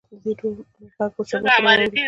د دې ډول غږ به سبا ته واورئ